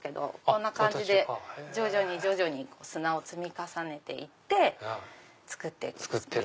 こんな感じで徐々に徐々に砂を積み重ねて作って行くんです。